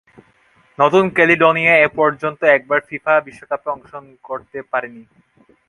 নতুন ক্যালিডোনিয়া এপর্যন্ত একবারও ফিফা বিশ্বকাপে অংশগ্রহণ করতে পারেনি।